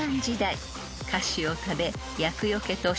菓子を食べ］